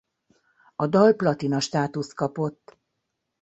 A dal platina státuszt kapott.